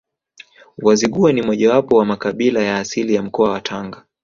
Wazigua ni mojawapo wa makabila ya asili ya mkoa wa Tanga